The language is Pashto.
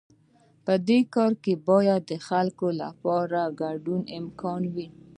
په دې کار کې باید د خلکو لپاره د ګډون امکان وي.